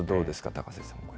高瀬さん。